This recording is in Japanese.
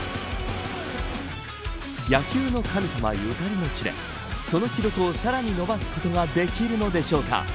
野球の神様ゆかりの地でその記録をさらに伸ばすことができるのでしょうか。